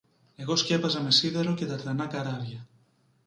εγώ σκέπαζα με σίδερο και τα τρανά καράβια